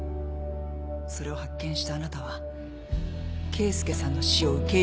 それを発見したあなたは啓介さんの死を受け入れることができなかった。